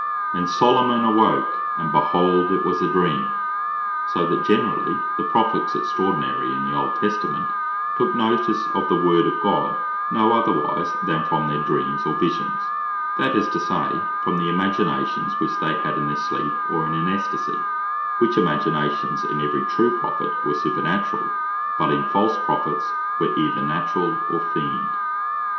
15.) "And Solomon awoak, and behold it was a Dream:" So that generally the Prophets extraordinary in the old Testament took notice of the Word of God no otherwise, than from their Dreams, or Visions, that is to say, from the imaginations which they had in their sleep, or in an Extasie; which imaginations in every true Prophet were supernaturall; but in false Prophets were either naturall, or feigned.